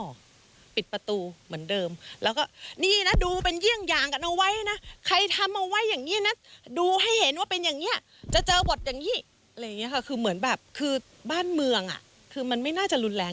คือมันไม่น่าจะรุนแรงอย่างขนาดเนี้ย